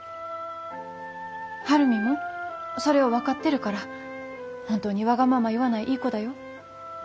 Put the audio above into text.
晴海もそれを分かってるから本当にわがまま言わないいい子だよ。